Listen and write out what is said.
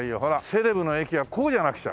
セレブの駅はこうじゃなくちゃ。